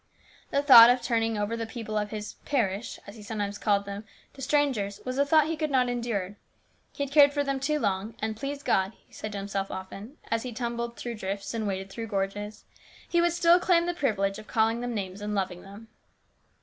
The thought of turning over the people of his " parish," as he some times called them, to strangers, was a thought he could not endure. He had cared for them too long, and, please God, he said to himself often, as he tumbled through drifts and waded through gorges, he would still claim the privilege of calling them names and loving them.